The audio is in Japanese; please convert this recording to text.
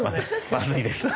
まずいです。